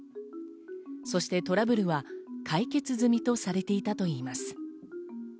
そしてトラブルは解決済みとされていたといいます。